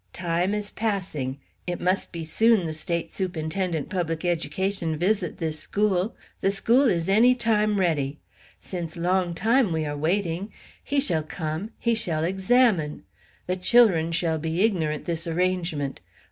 Time is passing. It must be soon the State Sup'inten'ent Public Education visit this school. The school is any time ready. Since long time are we waiting. He shall come he shall examine! The chil'run shall be ignorant this arrangement!